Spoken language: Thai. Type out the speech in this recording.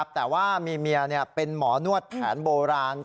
แต่ว่ามีเมียเป็นหมอนวดแผนโบราณ